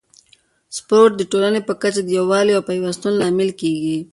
سپورت د ټولنې په کچه د یووالي او پیوستون لامل کیږي.